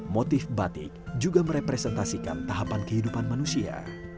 motif batik juga merepresentasikan tahapan kehidupan manusia